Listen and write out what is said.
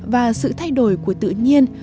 và sự thay đổi của tự nhiên